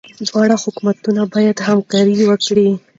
دواړه حکومتونه باید همکاري وکړي.